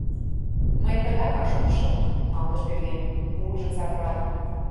— Мый тыгакак шонышым, — малдыш пӧръеҥ, вуйжым савыралын.